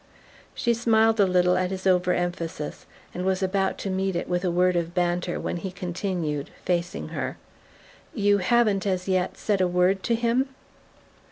She smiled a little at his over emphasis, and was about to meet it with a word of banter when he continued, facing her: "You haven't, as yet, said a word to him?"